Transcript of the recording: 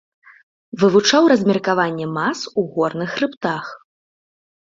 Вывучаў размеркаванне мас у горных хрыбтах.